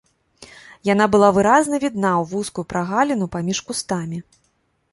Яна была выразна відна ў вузкую прагаліну паміж кустамі.